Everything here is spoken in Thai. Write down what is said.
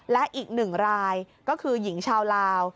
และอีกหนึ่งรายก็คือหญิงชาวลาว